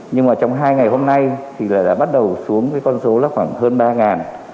nhưng mà trong hai ngày hôm nay thì là đã bắt đầu xuống cái con số là khoảng hơn ba